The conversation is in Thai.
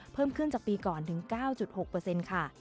เพิ่มขึ้นจากปีก่อนถึง๙๖ค่ะ